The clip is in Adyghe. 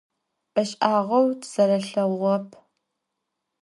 Beş'ağeu tızerelheğuğep.